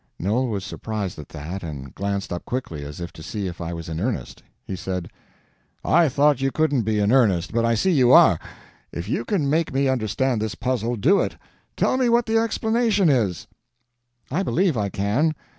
Noel was surprised at that, and glanced up quickly, as if to see if I was in earnest. He said: "I thought you couldn't be in earnest, but I see you are. If you can make me understand this puzzle, do it. Tell me what the explanation is." "I believe I can.